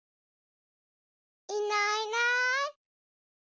いないいない。